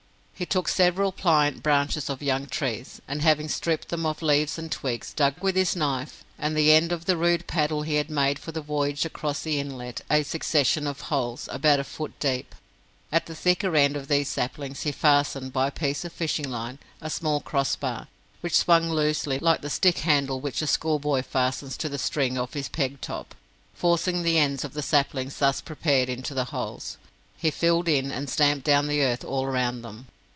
He took several pliant branches of young trees, and having stripped them of leaves and twigs, dug with his knife and the end of the rude paddle he had made for the voyage across the inlet, a succession of holes, about a foot deep. At the thicker end of these saplings he fastened, by a piece of fishing line, a small cross bar, which swung loosely, like the stick handle which a schoolboy fastens to the string of his pegtop. Forcing the ends of the saplings thus prepared into the holes, he filled in and stamped down the earth all around them.